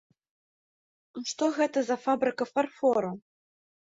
А што гэта за фабрыка фарфору?